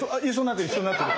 一緒になってる！